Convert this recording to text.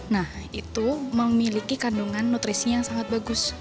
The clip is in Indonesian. nah itu memiliki kandungan nutrisi yang sangat bagus